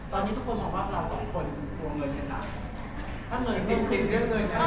ตอนนี้ทุกคนขอบภัทราสองคนตัวเงินเงินหรือเปล่าถ้าเงินเงินขึ้นติดเรื่องเงินก็เป็นอย่างนี้